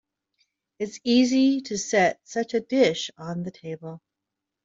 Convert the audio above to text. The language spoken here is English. It is easy to set such a dish on the table.